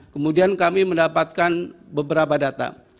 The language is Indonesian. kemudian kami mendapatkan beberapa data